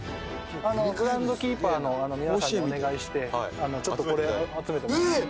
グラウンドキーパーの皆さんにお願いして、ちょっとこれ、えっ。